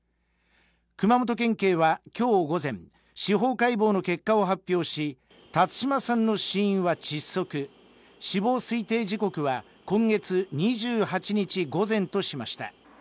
熊本県警は、今日午前、司法解剖の結果を発表し辰島さんの死因は窒息死亡推定時刻は今月２８日午前としました。